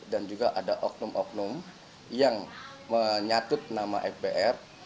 dan juga ada oknum oknum yang menyatut nama fbr